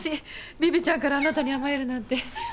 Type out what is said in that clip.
ビビちゃんからあなたに甘えるなんて。